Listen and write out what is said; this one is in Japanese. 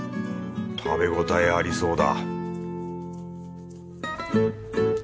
食べ応えありそうだ